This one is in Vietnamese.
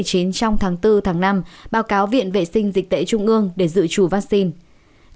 trong tháng bốn tháng năm báo cáo viện vệ sinh dịch tễ trung ương để dự trù vaccine